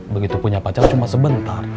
begitu punya pacar cuma sebentar